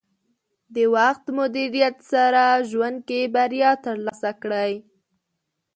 د وخت مدیریت سره ژوند کې بریا ترلاسه کړئ.